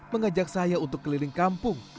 mengajak saya untuk keliling kampung